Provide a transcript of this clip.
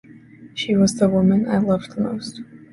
She was the woman I loved the most.